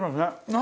何？